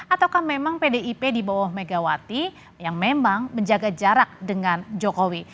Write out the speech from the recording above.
ataukah memang pdip di bawah megawati yang memang menjaga jarak dengan jokowi